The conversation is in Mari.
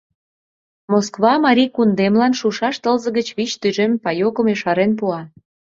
— Москва Марий кундемлан шушаш тылзе гыч вич тӱжем паёкым ешарен пуа.